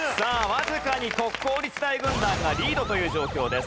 わずかに国公立大軍団がリードという状況です。